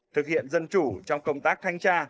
thực hiện dân chủ trong công tác thanh tra